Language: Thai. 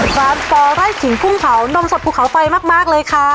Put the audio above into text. ร้านปอไร่ขิงกุ้งเผานมสับภูเขาไฟมากเลยค่ะ